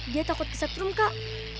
dia takut kesetrum kak